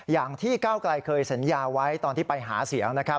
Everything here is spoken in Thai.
อย่างที่ก้าวไกลเคยสัญญาไว้ตอนที่ไปหาเสียงนะครับ